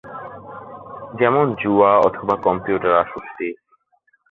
যেমন- জুয়া অথবা কম্পিউটার আসক্তি।